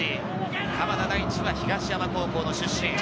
鎌田大地は東山高校の出身。